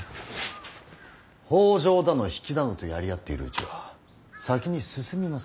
北条だの比企だのとやり合っているうちは先に進みませぬ。